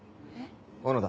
小野田。